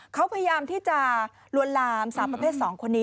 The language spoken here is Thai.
เขาพยายามที่จะลวนลามสาวประเภท๒คนนี้